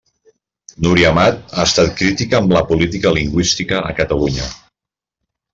Núria Amat ha estat crítica amb la política lingüística a Catalunya.